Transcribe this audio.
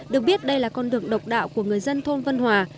được biết đây là con đường độc đạo của người dân thôn vân hòa